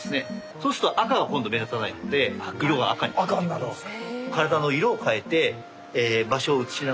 そうすると赤が今度目立たないので色が赤に変わっていくんです。